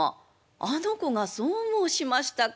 あの子がそう申しましたか。